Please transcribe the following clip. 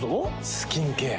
スキンケア。